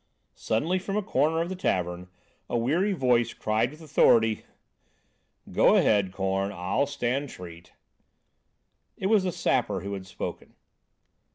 Suddenly from a corner of the tavern, a weary voice cried with authority: "Go ahead, Korn, I'll stand treat." It was the Sapper who had spoken.